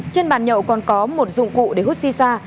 trên bàn nhậu còn có một dụng cụ để hút xì xa